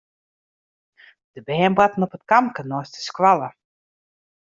De bern boarten op it kampke neist de skoalle.